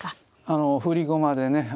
あの振り駒でね